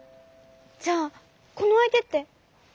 じゃあこのあいてって。